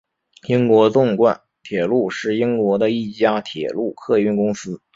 英国纵贯铁路是英国的一家铁路客运公司。